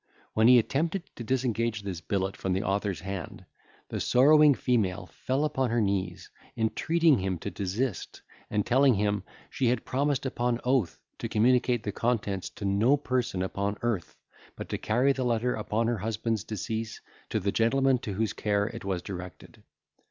When he attempted to disengage this billet from the author's hand, the sorrowing female fell upon her knees, entreating him to desist, and telling him, she had promised, upon oath, to communicate the contents to no person upon earth, but to carry the letter, upon her husband's decease, to the gentleman to whose care it was directed.